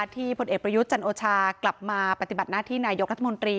พลเอกประยุทธ์จันโอชากลับมาปฏิบัติหน้าที่นายกรัฐมนตรี